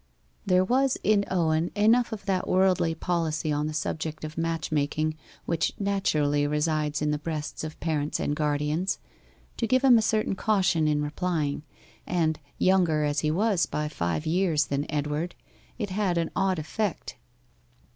There was in Owen enough of that worldly policy on the subject of matchmaking which naturally resides in the breasts of parents and guardians, to give him a certain caution in replying, and, younger as he was by five years than Edward, it had an odd effect.